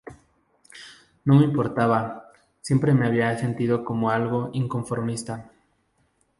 No me importaba; siempre me había sentido como algo inconformista".